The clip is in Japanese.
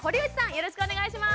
よろしくお願いします。